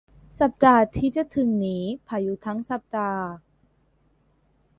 สัปดาห์ที่จะถึงนี้พายุทั้งสัปดาห์